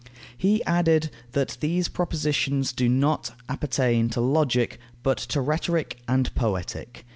He added that these propositions do not appertain to Logic, but to Rhetoric and Poetic.